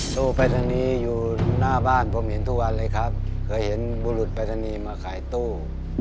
ตู้ปรายศนีย์อยู่หน้าบ้านผมเห็นทุกวันเลยครับเคยเห็นบุรุษปรายศนีย์มาขายตู้